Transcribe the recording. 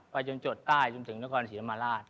จนจดใต้จนถึงนครศรีธรรมราช